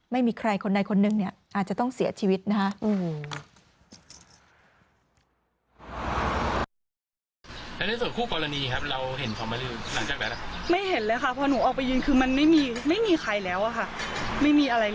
ไม่มีใครคนใดคนนึงเนี่ยอาจจะต้องเสียชีวิตนะคะ